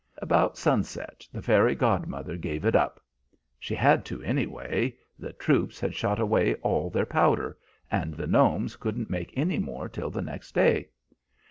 "About sunset the fairy godmother gave it up. She had to, anyway. The troops had shot away all their powder, and the gnomes couldn't make any more till the next day.